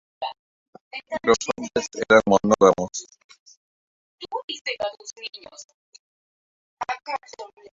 Los hombres eran monógamos.